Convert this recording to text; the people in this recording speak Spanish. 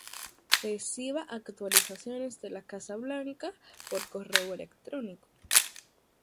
Reciba actualizaciones de la Casa Blanca por correo electrónico